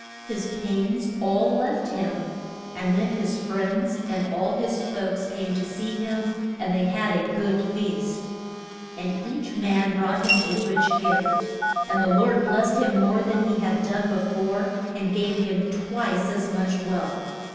His pains all left him; and then his friends and all his folks came to see him and they had a good feast. And each man brought him a rich gift, and the Lord blest him more than he had done be fore, and gave him twice as much wealth.